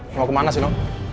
mau kemana sih no